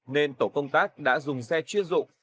nên tổ công tác đã dùng xe chuyên dụng